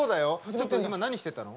ちょっと今何してたの？